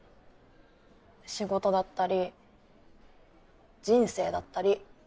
仕事だったり人生だったり。